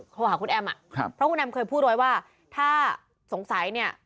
โทรหาคุณแอมอ่ะครับเพราะคุณแอมเคยพูดไว้ว่าถ้าสงสัยเนี่ย